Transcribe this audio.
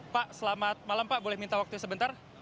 pak selamat malam pak boleh minta waktu sebentar